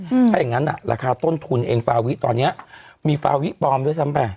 ถ้าอย่างงั้นอ่ะราคาต้นทุนเองฟาวิตอนเนี้ยมีฟาวิปลอมด้วยซ้ำไป